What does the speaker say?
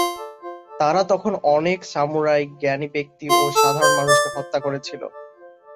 তারা তখন অনেক সামুরাই, জ্ঞানী ব্যক্তি ও সাধারণ মানুষকে হত্যা করেছিল।